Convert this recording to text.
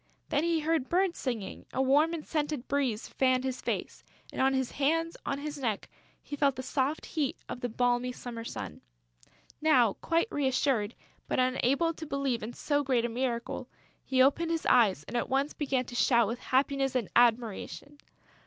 Then he heard birds singing; a warm and scented breeze fanned his face; and, on his hands, on his neck, he felt the soft heat of the balmy summer sun. Now quite reassured, but unable to believe in so great a miracle, he opened his eyes and at once began to shout with happiness and admiration.